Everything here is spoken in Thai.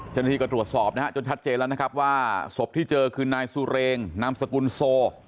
เจ้าหน้าที่ก็ตรวจสอบนะฮะจนชัดเจนแล้วนะครับว่าศพที่เจอคือนายซูเรงนามสกุลโซ